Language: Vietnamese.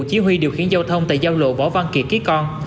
chỉ huy điều khiển giao thông tại giao lộ võ văn kiệt ký con